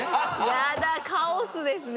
やだカオスですね